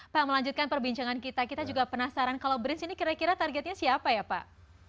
pak melanjutkan perbincangan kita kita juga penasaran kalau brins ini kira kira targetnya siapa ya pak